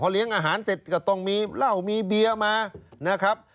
เลี้ยงอาหารเสร็จก็ต้องมีเหล้ามีเบียร์มานะครับ